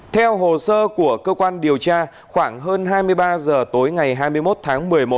theo hồ sơ của cơ quan điều tra khoảng hơn hai mươi ba h tối ngày hai mươi một tháng một mươi một